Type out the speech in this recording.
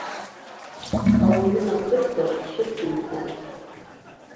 Ауаҩы насыԥда дшьыцҩхоит.